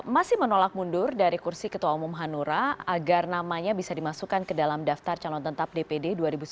masih menolak mundur dari kursi ketua umum hanura agar namanya bisa dimasukkan ke dalam daftar calon tetap dpd dua ribu sembilan belas